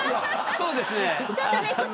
そうですね。